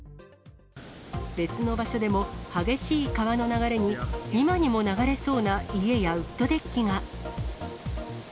別の場所でも激しい川の流れに、今にも流れそうな家やウッドデッキが。